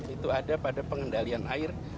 itu ada pada pengendalian air